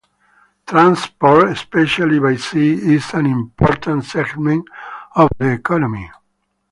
Transport, especially by sea, is an important segment of the economy.